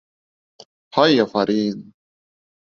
Һай, афарин!